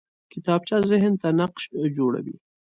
کتابچه ذهن ته نقش جوړوي